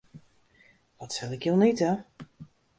Wat sil ik jûn ite?